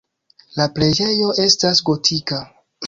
La preĝejo estas gotika.